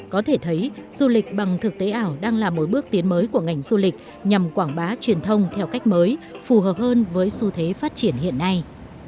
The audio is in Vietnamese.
có thể thấy du lịch bằng thực tế ảo đang là một bước tiến mới của ngành du lịch nhằm quảng bá truyền thông theo cách mới phù hợp hơn với xu thế phát triển hiện nay